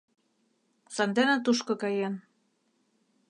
Сандене тушко каен.